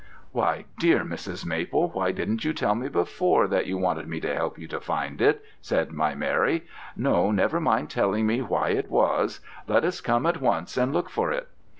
"'Why, dear Mrs. Maple, why didn't you tell me before that you wanted me to help you to find it?' said my Mary. 'No, never mind telling me why it was: let us come at once and look for it.'